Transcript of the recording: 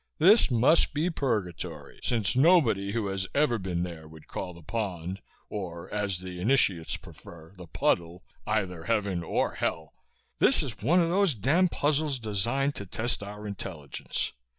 This must be Purgatory, since nobody who has ever been there would call the Pond or, as the initiates prefer, the Puddle either Heaven or Hell. This is one of those damned puzzles designed to test our intelligence.